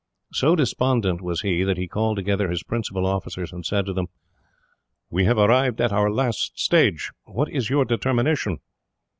So despondent was he, that he called together his principal officers, and said to them: "We have arrived at our last stage. What is your determination?"